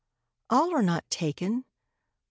A LL are not taken !